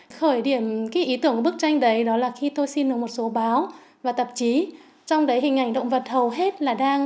khởi điểm ý tưởng của bức tranh đấy đó là khi tôi xin được một số báo và tạp chí trong đấy hình ảnh động vật hầu hết là đang